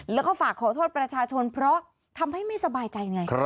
แล้วก็ฝากขอโทษประชาชนเพราะทำให้ไม่สบายใจไง